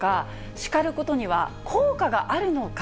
叱ることには効果があるのか。